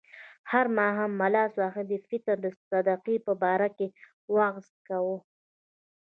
هر ماښام ملا صاحب د فطر د صدقې په باره کې وعظ کاوه.